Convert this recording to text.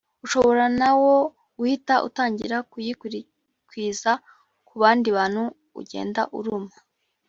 ushobora na wo guhita utangira kuyikwirakwiza ku bandi bantu ugenda uruma